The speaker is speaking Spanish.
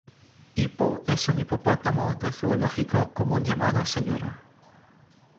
Hippo es un hipopótamo de zoológico común llamado "Sra.